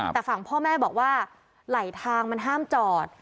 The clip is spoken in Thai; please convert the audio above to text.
แต่ฝั่งพ่อแม่บอกว่าไหลทางมันห้ามจอด